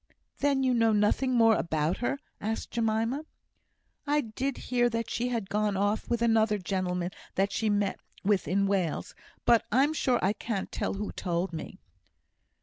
"Then you know nothing more about her?" asked Jemima. "I did hear that she had gone off with another gentleman that she met with in Wales, but I'm sure I can't tell who told me."